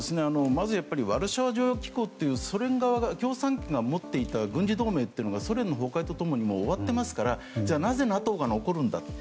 まずワルシャワ条約機構というソ連側が持っていた軍事同盟がソ連の崩壊と共に終わっていますからなぜＮＡＴＯが残るんだと。